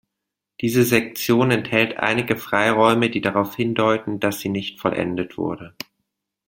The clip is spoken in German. Diese Sektion enthält einige Freiräume, die darauf hindeuten, dass sie nicht vollendet wurde.